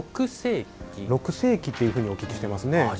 ６世紀というふうにお聞きしていますね。